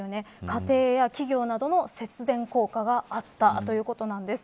家庭や企業などの節電効果があったということなんです。